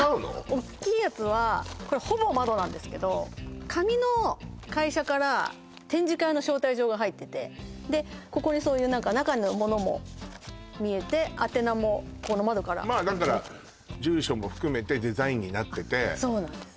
おっきいやつはこれほぼ窓なんですけど紙の会社から展示会の招待状が入っててでここでそういう中のものも見えて宛名もこの窓からだから住所も含めてデザインになっててそうなんです